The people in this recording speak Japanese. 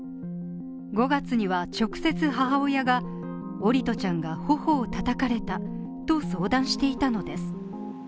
５月には直接母親が桜利斗ちゃんが頬を叩かれたと相談していたのです。